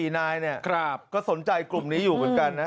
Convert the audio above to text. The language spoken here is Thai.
๑๔น้ายสนใจกลุ่มนี้อยู่กันกันนะ